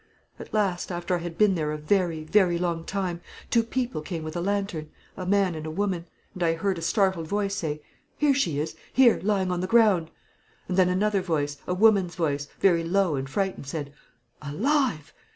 At last, after I had been there a very, very long time, two people came with a lantern, a man and a woman; and I heard a startled voice say, 'Here she is; here, lying on the ground!' And then another voice, a woman's voice, very low and frightened, said, 'Alive!'